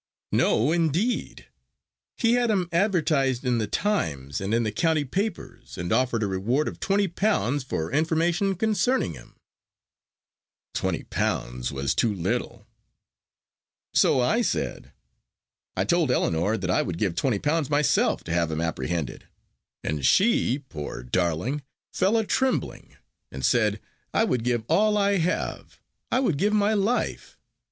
"No, indeed! he had him advertised in the Times and in the county papers, and offered a reward of twenty pounds for information concerning him." "Twenty pounds was too little." "So I said. I told Ellinor that I would give twenty pounds myself to have him apprehended, and she, poor darling! fell a trembling, and said, 'I would give all I have I would give my life.'